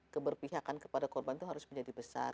keberpihakan kepada korban itu harus menjadi besar